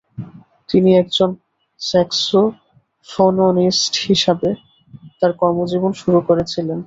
তিনি একজন স্যাক্সোফোননিস্ট হিসাবে তাঁর কর্মজীবন শুরু করেছিলেন।